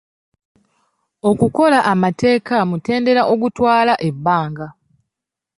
Okukola amateeka mutendera ogutwala ebbanga.